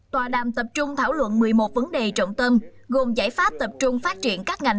tòa đàm tập trung thảo luận một mươi một vấn đề trọng tâm gồm giải pháp tập trung phát triển các ngành